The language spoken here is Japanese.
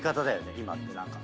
今って何か。